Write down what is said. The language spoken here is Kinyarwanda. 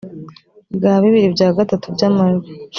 bwa bibiri bya gatatu by amajwi